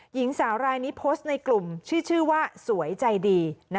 หญิงสาวรายนี้โพสต์ในกลุ่มชื่อว่าสวยใจดี